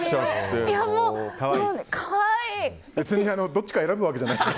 どっちか選ぶわけじゃないんで。